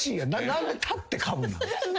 何で立ってカブなん？